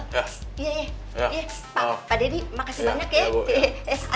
iya iya pak deddy makasih banyak ya